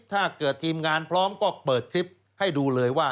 ถ้าเกิดทีมงานพร้อมก็เปิดคลิปให้ดูเลยว่า